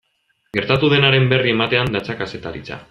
Gertatu denaren berri ematean datza kazetaritza.